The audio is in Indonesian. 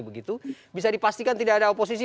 begitu bisa dipastikan tidak ada oposisi